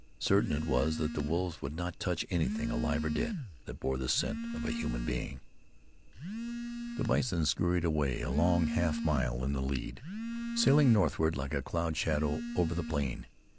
Certain it was that the wolves would not touch anything, alive or dead, that bore the scent of a human being. The bison scoured away a long half mile in the lead, sailing northward like a cloud shadow over the plain.